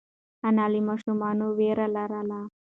انا له ماشومه وېره لرله.